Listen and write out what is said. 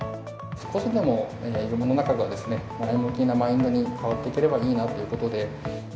少しでも世の中が前向きなマインドに変わっていけばいいなということで。